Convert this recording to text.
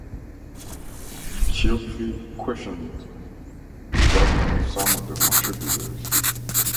Cioffi questioned the judgment of some of the contributors.